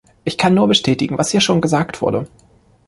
Ich kann nur bestätigen, was hier schon gesagt wurde.